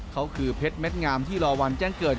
เขาคือเพชรเม็ดงามที่รอวันแจ้งเกิด